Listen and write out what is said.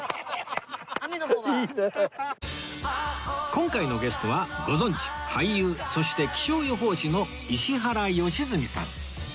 今回のゲストはご存じ俳優そして気象予報士の石原良純さん